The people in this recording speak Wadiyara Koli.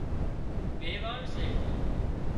ويواڻ سي